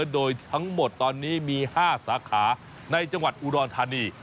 โดยทั้งหมดตอนนี้มี๕สาขาในจังหวัดอุดรธานี